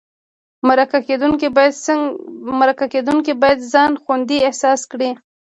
مرکه کېدونکی باید ځان خوندي احساس کړي.